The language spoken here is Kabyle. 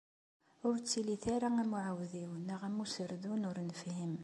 Ur ttilit ara am uɛawdiw neɣ am userdun ur nefhim.